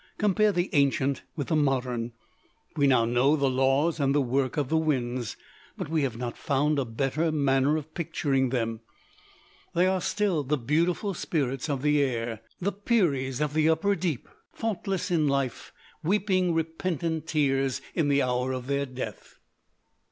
Compare the ancient with the modern. We now know the laws and the work of the winds; but we have not found a better manner of picturing them. They are still the beautiful spirits of the air; the Peris of the upper deep, thoughtless in life, weeping repentant tears in the hour of their death.